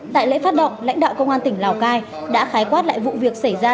tại lễ phát động lãnh đạo công an tỉnh lào cai đã khái quát lại vụ việc xảy ra